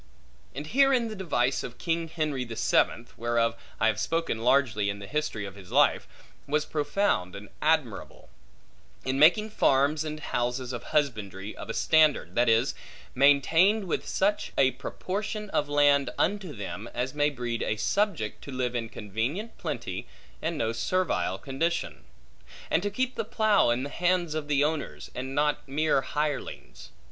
And herein the device of king Henry the Seventh (whereof I have spoken largely in the History of his Life) was profound and admirable; in making farms and houses of husbandry of a standard; that is, maintained with such a proportion of land unto them, as may breed a subject to live in convenient plenty and no servile condition; and to keep the plough in the hands of the owners, and not mere hirelings.